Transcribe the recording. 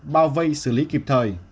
bao vây xử lý kịp thời